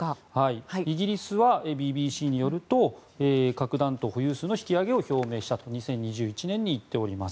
イギリスはＢＢＣによると核弾頭保有数の引き上げを表明したと２０１１年に言っております。